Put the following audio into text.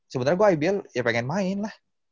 sebenernya gue ibl ya pengen main lah